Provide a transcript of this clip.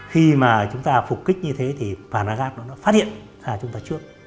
khi mà chúng ta phục kích như thế thì phanagat nó phát hiện ra chúng ta trước